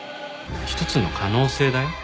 一つの可能性だよ。